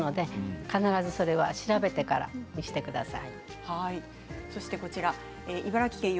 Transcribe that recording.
必ずそれは調べてからにしてください。